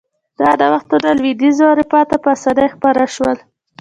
دا نوښتونه لوېدیځې اروپا ته په اسانۍ خپاره شول.